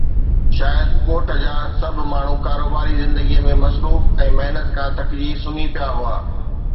شايد ڳوٺ جا سڀ ماڻهو ڪاروباري زندگيءَ ۾ مصروف ۽ محنت کان ٿڪجي سمهي پيا هئا.